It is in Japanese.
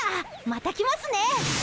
また来ますね！